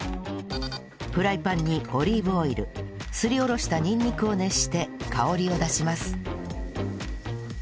フライパンにオリーブオイルすりおろしたにんにくを熱して香りを出します